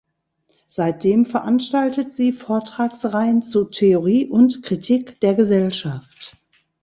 Seitdem veranstaltet sie Vortragsreihen zu Theorie und Kritik der Gesellschaft.